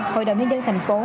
hội đồng nhân dân thành phố